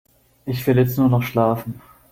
Ich will jetzt nur noch schlafen.